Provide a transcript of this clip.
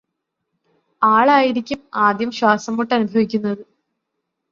ആളായിരിക്കും ആദ്യം ശ്വാസംമുട്ട് അനുഭവിക്കുന്നത്